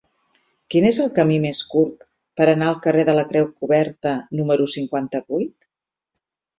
Quin és el camí més curt per anar al carrer de la Creu Coberta número cinquanta-vuit?